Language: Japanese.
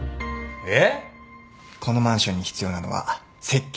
えっ？